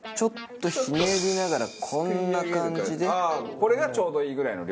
これがちょうどいいぐらいの量。